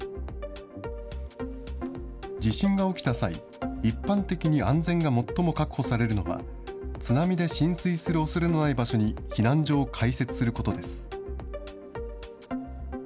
地震が起きた際、一般的に安全が最も確保されるのは、津波で浸水するおそれのない場所に避難所を開設することです。